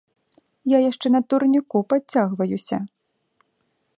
Я яшчэ на турніку падцягваюся.